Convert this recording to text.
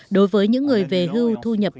đối với những người về hưu thu nhập